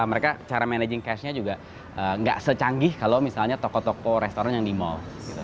mereka cara managing cashnya juga nggak secanggih kalau misalnya toko toko restoran yang di mall